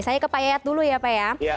saya ke pak yayat dulu ya pak ya